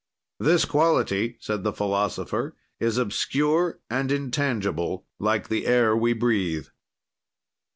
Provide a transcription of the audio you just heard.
"This quality," said the philosopher, "is obscure and intangible, like the air we breathe.